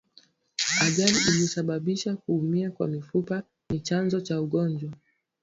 Ajali inayosababisha kuumia kwa mifupa ni chanzo cha ugonjwa